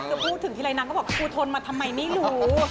ก็พูดถึงทีรายน้ำก็บอกกูทนน่ะทำไมไม่รู้